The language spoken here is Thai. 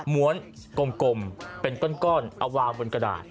้วนกลมเป็นก้อนเอาวางบนกระดาษ